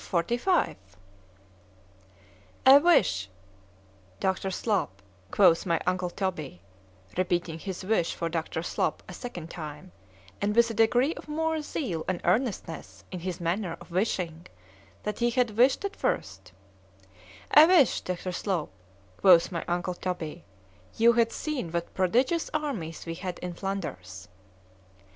C H A P. XLV ——"I WISH, Dr. Slop," quoth my uncle Toby, (repeating his wish for Dr. Slop a second time, and with a degree of more zeal and earnestness in his manner of wishing, than he had wished at first)——"I wish, Dr. Slop," quoth my uncle Toby, "you had seen what prodigious armies we had in Flanders."